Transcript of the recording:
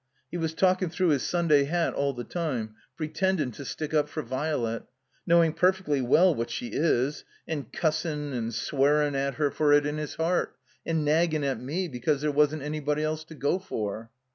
He was talkin' through his Stmday hat all the time, pre tendin' to stick up for Virelet, knowin' perfectly well what she is, and cussin' and swearin' at her for 274 If THE COMBINED MAZE it in his heart, and naggin' at me because there wasn't anybody else to go for."